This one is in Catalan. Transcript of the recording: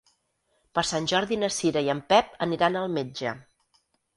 Per Sant Jordi na Cira i en Pep aniran al metge.